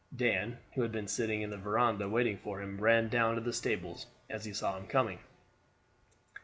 Dan, who had been sitting in the veranda waiting for him, ran down to the stables as he saw him coming.